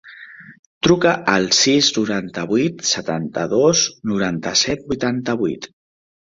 Truca al sis, noranta-vuit, setanta-dos, noranta-set, vuitanta-vuit.